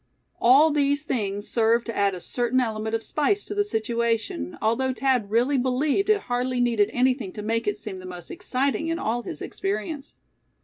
All these things served to add a certain element of spice to the situation, although Thad really believed it hardly needed anything to make it seem the most exciting in all his experience.